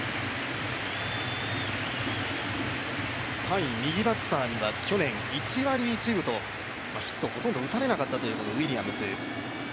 対右バッターには去年１割１分と、ヒットほとんど打たれなかったというウィリアムズ。